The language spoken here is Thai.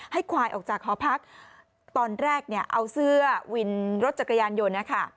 ควายออกจากหอพักตอนแรกเนี่ยเอาเสื้อวินรถจักรยานยนต์นะคะ